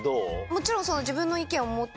もちろん。